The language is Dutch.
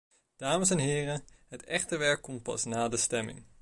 Dames en heren, het echte werk komt pas na de stemming.